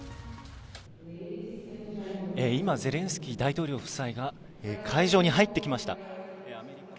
今、ゼレンスキー大統領夫妻が会場に入ってきました。